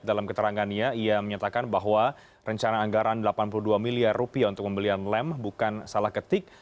dalam keterangannya ia menyatakan bahwa rencana anggaran rp delapan puluh dua miliar rupiah untuk pembelian lem bukan salah ketik